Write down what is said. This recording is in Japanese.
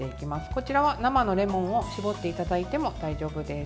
こちらは生のレモンを搾っていただいても大丈夫です。